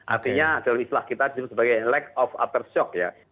artinya dalam islah kita sebagai lack of aftershock ya